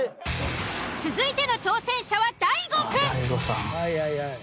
続いての挑戦者は大悟くん。